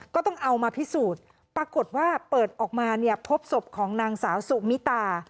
ก็ต้องเอามาพิสูจน์ปรากฏว่าเปิดออกมาเนี่ยพบศพของนางสาวสุมิตา